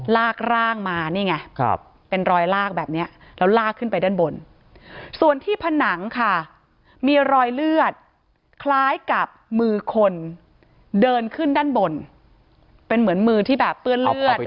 ลากร่างมานี่ไงเป็นรอยลากแบบนี้แล้วลากขึ้นไปด้านบนส่วนที่ผนังค่ะมีรอยเลือดคล้ายกับมือคนเดินขึ้นด้านบนเป็นเหมือนมือที่แบบเปื้อนเลือด